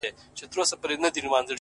جـنــگ له فريادي ســــره _